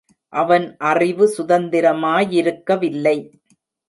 அவன் அறிவு சுதந்திரமா யிருக்கவில்லை.